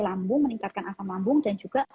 lambu meningkatkan asam lambung dan juga